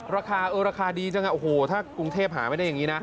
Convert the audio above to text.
ราคาเออราคาดีจังอ่ะโอ้โหถ้ากรุงเทพหาไม่ได้อย่างนี้นะ